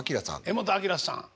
柄本明さん。